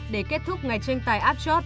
để kết thúc ngày tranh tài áp chót